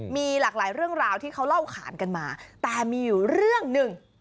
มีหลากหลายเรื่องราวที่เขาเล่าขานกันมาแต่มีอยู่เรื่องหนึ่ง